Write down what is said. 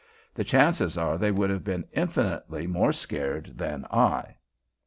The chances are they would have been infinitely more scared than I!